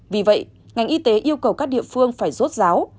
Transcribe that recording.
vì vậy ngành y tế yêu cầu các địa phương phải rốt ráo